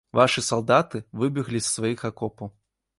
Вашы салдаты выбеглі з сваіх акопаў.